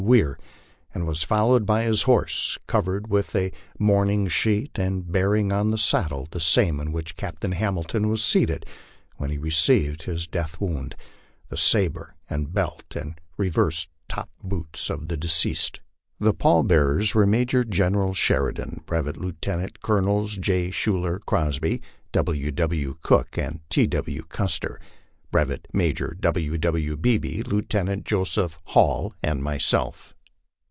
Weir, and was followed by his horse, covered with a mourning LIFE OX THE PLAINS. 183 sheet and bearing on the saddle the same in which Captain Hamilton waa seated when he received his death wound the sabre and belt and the reversed top boots of the deceased. The pall bearers were Major General Sheridan, Brevet Lieutenant Colonels J. Schuyler Crosby, W. W. Cook, and T. W. Cus ter. Brevet Major W. W. Beebe, Lieutenant Joseph Hall, arid myself.